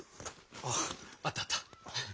あああったあった！